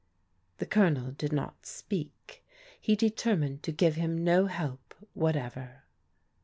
The Colonel did not speak. He determined to g^ve him no help whatever.